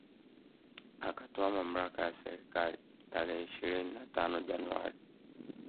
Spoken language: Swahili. Akatwaa mamlaka ya serikali tarehe ishirini na tano Januari